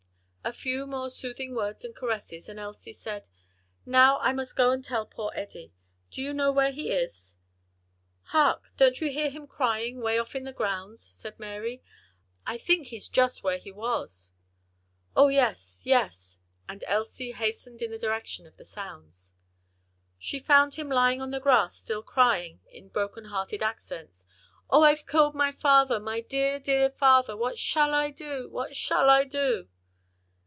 A few more soothing words and caresses and Elsie said, "Now I must go and tell poor Eddie. Do you know where he is?" "Hark! don't you hear him crying way off in the grounds?" said Mary, "I think he's just where he was." "O, yes, yes!" and Elsie hastened in the direction of the sounds. She found him lying on the grass still crying in heart broken accents, "Oh, I've killed my father, my dear, dear father! what shall I do! what shall I do!"